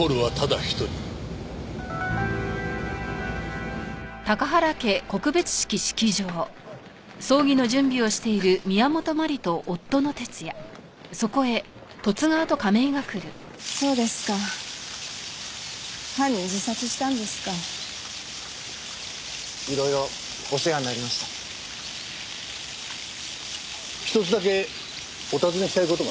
１つだけお尋ねしたい事が。は？